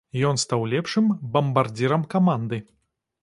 Ён стаў лепшым бамбардзірам каманды.